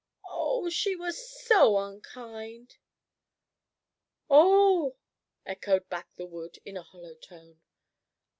O h, she was so unkind" "O h!" echoed back the wood in a hollow tone.